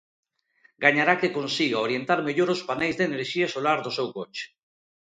Gañará que consiga orientar mellor os paneis de enerxía solar do seu coche.